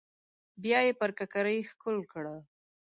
بيا يې پر ککرۍ ښکل کړه.